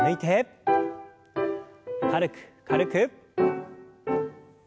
軽く軽く。